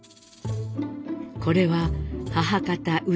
これは母方内